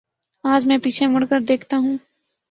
آج میں پیچھے مڑ کر دیکھتا ہوں۔